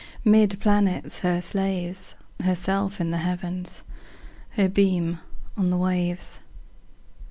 'Mid planets her slaves, Herself in the Heavens, Her beam on the waves.